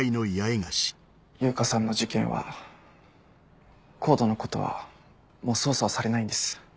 悠香さんの事件はＣＯＤＥのことはもう捜査はされないんです。